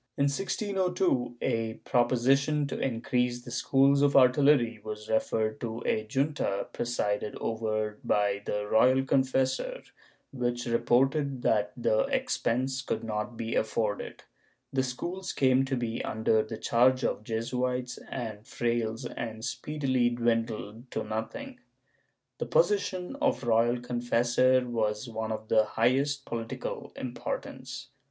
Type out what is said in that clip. In 1602 a proposition to increase the schools of artillery was referred to a junta presided over by the royal confessor, which reported that the expense could not be afforded; the schools came to be under the charge of Jesuits and frailes and speedily dwindled to nothing.^ The position of royal confessor was one of the highest political importance.